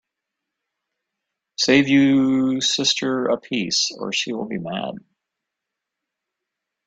Save you sister a piece, or she will be mad.